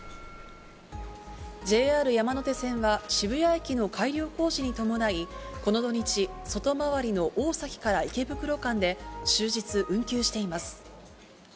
ＪＲ山手線は、渋谷駅の改良工事に伴い、この土日、外回りの大崎から池袋間で、終日運休しています。